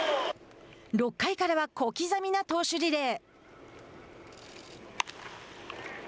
６回からは小刻みな投手リレー。